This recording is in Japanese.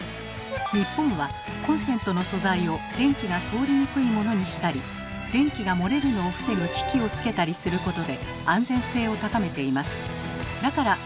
日本はコンセントの素材を電気が通りにくいものにしたり電気が漏れるのを防ぐ機器をつけたりすることで安全性を高めています。